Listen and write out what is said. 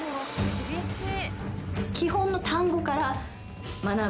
厳しい。